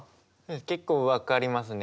結構分かりますね。